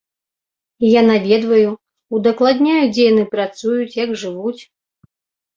Я наведваю, удакладняю, дзе яны працуюць, як жывуць.